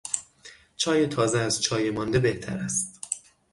چای تازه از چای مانده بهتر است.